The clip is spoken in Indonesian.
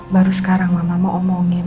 baru sekarang mama mau omongin